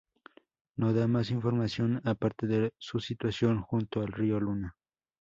No da más información aparte de su situación junto al río Luna.